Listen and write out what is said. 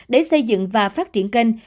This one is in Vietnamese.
để xây dựng và phát triển kênh